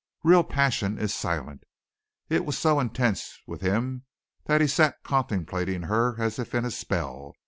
Real passion is silent. It was so intense with him that he sat contemplating her as if in a spell.